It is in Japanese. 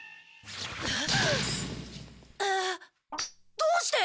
どうして！？